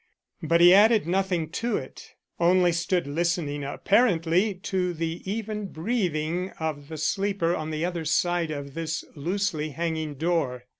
But he added nothing to it; only stood listening, apparently to the even breathing of the sleeper on the other side of this loosely hanging door.